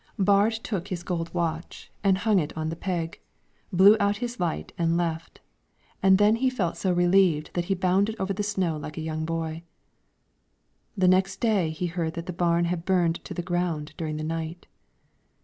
Baard took his gold watch and hung it on the peg, blew out his light and left; and then he felt so relieved that he bounded over the snow like a young boy. The next day he heard that the barn had burned to the ground during the night.